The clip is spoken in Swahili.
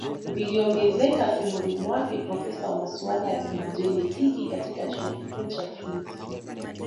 viliongezeka tumboni mwake Profesa wa masuala ya kijenetiki katika chuo kikuu cha Kings